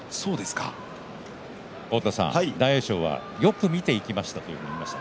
大栄翔はよく見ていきましたというふうに言いました。